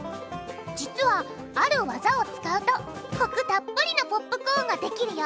実はあるワザを使うとコクたっぷりのポップコーンができるよ！